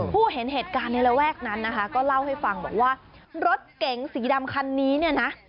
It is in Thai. ผู้เห็นเหตุการณ์ในระแวกนั้นนะคะก็เล่าให้ฟังบอกว่ารถเก๋งสีดำคันนี้เนี่ยนะ